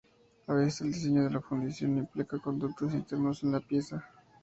A veces el diseño de la fundición implica conductos internos en la pieza.